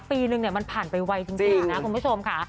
ปีนึงมันผ่านไปไวจริงนะคุณผู้ชมค่ะ